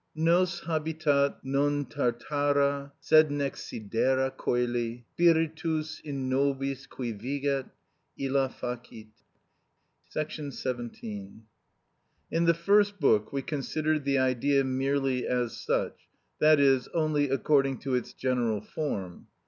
Nos habitat, non tartara, sed nec sidera coeli: Spiritus, in nobis qui viget, illa facit. § 17. In the first book we considered the idea merely as such, that is, only according to its general form.